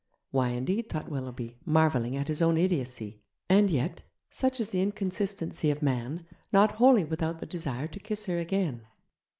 Why, indeed! thought Willoughby, marvelling at his own idiocy, and yet such is the inconsistency of man not wholly without the desire to kiss her again.